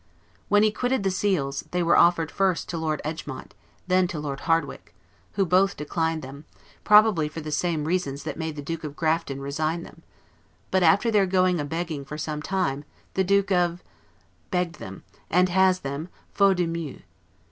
When he quitted the seals, they were offered first to Lord Egmont, then to Lord Hardwicke; who both declined them, probably for the same reasons that made the Duke of Grafton resign them; but after their going a begging for some time, the Duke of begged them, and has them 'faute de mieux'.